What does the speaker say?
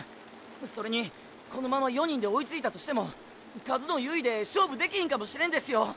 それにこのまま４人で追いついたとしても数の優位で勝負できひんかもしれんですよ。